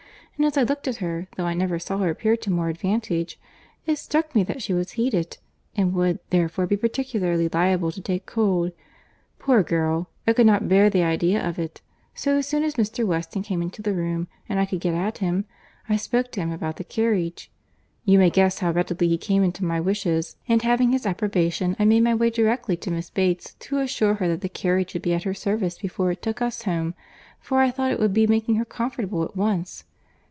And as I looked at her, though I never saw her appear to more advantage, it struck me that she was heated, and would therefore be particularly liable to take cold. Poor girl! I could not bear the idea of it; so, as soon as Mr. Weston came into the room, and I could get at him, I spoke to him about the carriage. You may guess how readily he came into my wishes; and having his approbation, I made my way directly to Miss Bates, to assure her that the carriage would be at her service before it took us home; for I thought it would be making her comfortable at once.